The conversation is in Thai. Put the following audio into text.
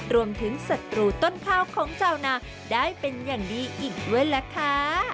ศัตรูต้นข้าวของชาวนาได้เป็นอย่างดีอีกด้วยล่ะค่ะ